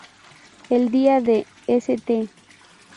El día de St.